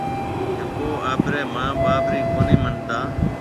جڪو آپرَي مان ٻاپ رِي ڪونِي منتا۔